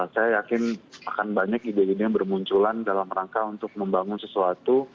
saya yakin akan banyak ide ide yang bermunculan dalam rangka untuk membangun sesuatu